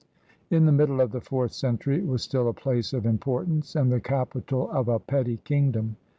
In the middle of the fourth century it was still a place of importance and the capital of a petty kingdom.